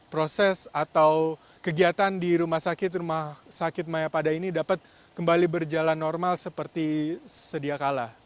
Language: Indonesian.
proses atau kegiatan di rumah sakit rumah sakit mayapada ini dapat kembali berjalan normal seperti sedia kala